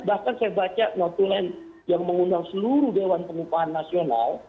bahkan saya baca notu land yang mengundang seluruh dewan pengupahan nasional